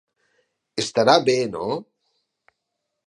Estarà bé, no?